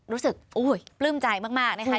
รู้สึกปลื้มใจมากนะคะ